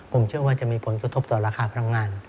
ผมเชื่อว่าจะมีผลกระทบต่อราคาพลังงาน